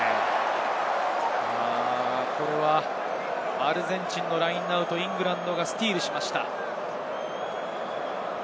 アルゼンチンのラインアウトをイングランドがスティールしました。